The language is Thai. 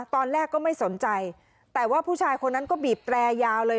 ตอนแรกก็ไม่สนใจแต่ว่าผู้ชายคนนั้นก็บีบแตรยาวเลย